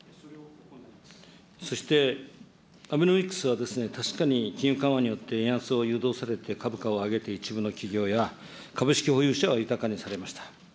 そして、アベノミクスは確かに金融緩和によって、円安を誘導されて、株価を上げて一部の企業や株式保有者は豊かにされました。